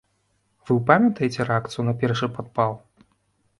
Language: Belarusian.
Вы памятаеце рэакцыю на першы падпал?